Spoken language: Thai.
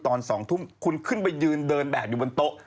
ตอน๒ทุ่มคุณขึ้นไปยืนเดินแบบอยู่บนโต๊ะ